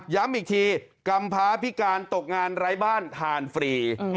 ย้ำอีกทีกรรมภาพิการดกงานรายบ้านทานฟรี